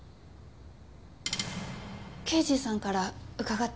刑事さんから伺ってます。